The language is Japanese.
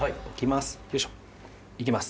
いきます。